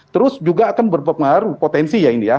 terus juga akan berpengaruh potensi ya ini ya